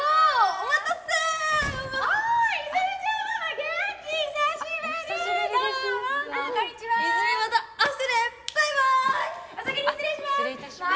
お先に失礼します